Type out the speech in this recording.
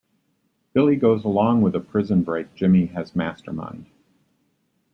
Billy goes along with a prison-break Jimmy has masterminded.